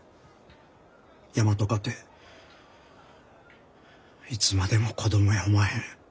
大和かていつまでも子供やおまへん。